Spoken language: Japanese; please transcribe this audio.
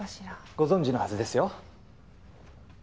ご存じのはずですよ。